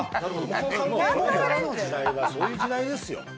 これからの時代はそういう時代ですよ。